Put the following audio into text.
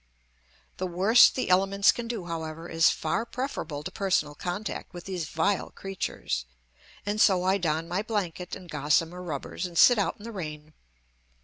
The worst the elements can do, however, is far preferable to personal contact with these vile creatures; and so I don my blanket and gossamer rubbers, and sit out in the rain.